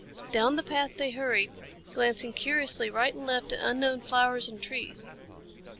Down the path they hurried, glancing curiously right and left at unknown flowers and trees.